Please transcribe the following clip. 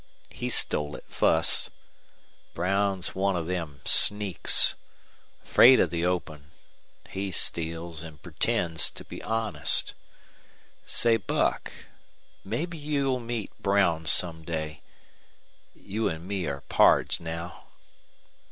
He stole it fuss. Brown's one of them sneaks afraid of the open he steals an' pretends to be honest. Say, Buck, mebbe you'll meet Brown some day You an' me are pards now."